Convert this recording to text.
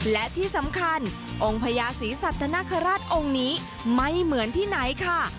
และที่สำคัญองค์พญาศรีสัตนคราชองค์นี้ไม่เหมือนที่ไหนค่ะ